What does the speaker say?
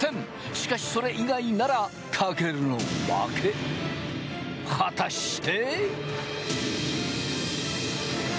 しかし、それ以外なら、たけるの負け。果たして。